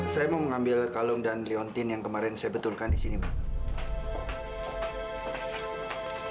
saya mau mengambil kalung dan leontin yang kemarin saya betulkan di sini